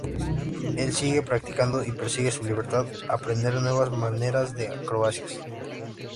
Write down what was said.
Él sigue practicando y persigue su libertad, aprender nuevas maneras de acrobacias.